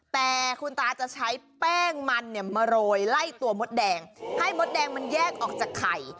แต่คุณตาจะใช้แป้งมันเนี่ยมาโรยไล่ตัวมดแดงให้มดแดงมันแยกออกจากไข่